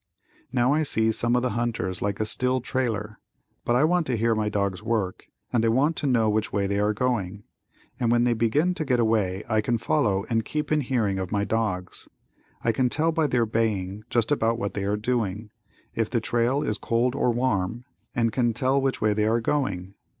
Now I see some of the hunters like a still trailer, but I want to hear my dogs work and I want to know which way they are going, and when they begin to get away I can follow and keep in hearing of my dogs. I can tell by their baying just about what they are doing, if the trail is cold or warm, and can tell which way they are going.